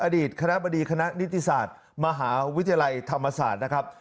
อดีตคณะบดีคณะนิติศาสตร์มหาวิทยาลัยธรรมศาสตร์นะครับ